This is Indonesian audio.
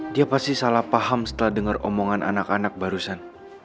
dia pasti salah paham setelah dengar omongan anak anak barusan